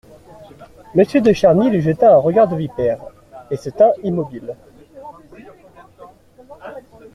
Monsieur de Charny lui jeta un regard de vipère et se tint immobile.